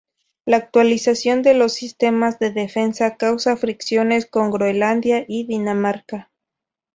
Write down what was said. La actualización de los sistemas de defensa causa fricciones con Groenlandia y Dinamarca.